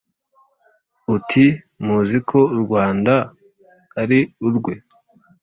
uti: muzi ko u rwanda ari urwe